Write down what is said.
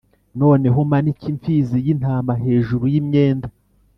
noneho umanike impfizi y'intama hejuru y'imyenda.